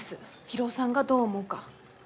博夫さんがどう思うか。